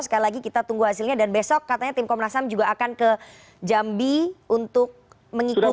sekali lagi kita tunggu hasilnya dan besok katanya tim komnas ham juga akan ke jambi untuk mengikuti